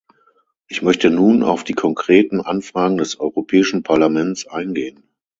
Ich möchte nun auf die konkreten Anfragen des Europäischen Parlaments eingehen.